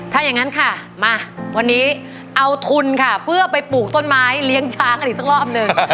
ถ้าอย่างนั้นค่ะมาวันนี้เอาทุนค่ะเพื่อไปปลูกต้นไม้เลี้ยงช้างกันอีกสักรอบหนึ่ง